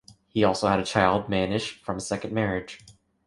He also has a child, Manish, from a second marriage.